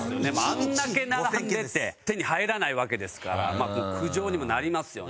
あれだけ並んでて手に入らないわけですから苦情にもなりますよね。